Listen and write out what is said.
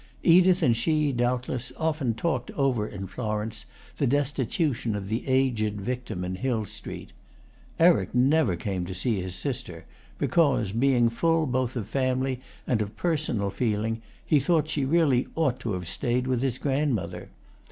Edith and she, doubtless, often talked over in Florence the destitution of the aged victim in Hill Street. Eric never came to see his sister, because, being full both of family and of personal feeling, he thought she really ought to have stayed with his grandmother.